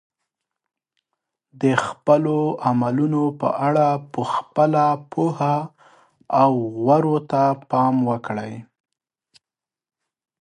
د خپلو عملونو په اړه په خپله پوهه او غورو ته پام وکړئ.